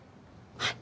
はい。